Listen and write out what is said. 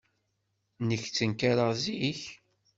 Nekk ttenkareɣ zik.